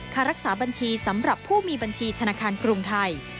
ค่ารักษาบัญชีสำหรับผู้มีบัญชีธนาคารกรุงไทย